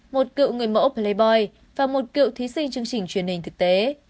một cựu người mẫu pleiboy và một cựu thí sinh chương trình truyền hình thực tế